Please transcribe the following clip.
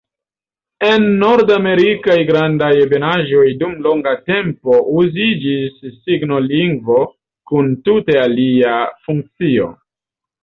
En la Nordamerikaj Grandaj Ebenaĵoj dum longa tempo uziĝis signolingvo kun tute alia funkcio.